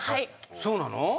そうなの？